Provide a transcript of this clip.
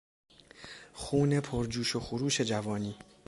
خون پرجوش و خروش جوانی